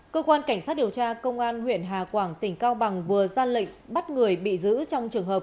cơ quan cảnh sát điều tra công an huyện hà quảng tỉnh cao bằng vừa ra lệnh bắt người bị giữ trong trường hợp